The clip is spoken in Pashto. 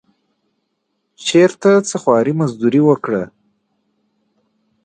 چېرته څه خواري مزدوري وکړه.